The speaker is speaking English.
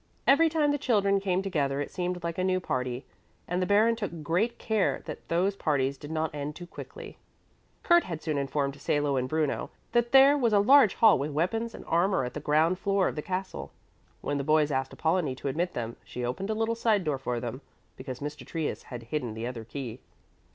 Every time the children came together it seemed like a new party, and the Baron took great care that those parties did not end too quickly. Kurt had soon informed Salo and Bruno that there was a large hall with weapons and armor at the ground floor of the castle. When the boys asked Apollonie to admit them, she opened a little side door for them, because Mr. Trius had hidden the other key.